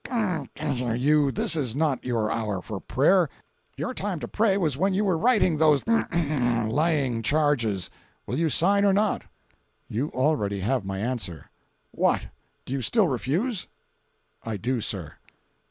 — you, this is not your hour for prayer—your time to pray was when you were writing those—lying charges. Will you sign or not?" "You already have my answer." "What! do you still refuse?" "I do, sir."